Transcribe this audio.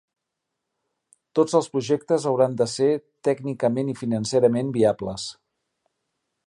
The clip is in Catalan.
Tots els projectes hauran de ser tècnicament i financerament viables.